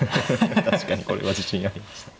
確かにこれは自信ありました。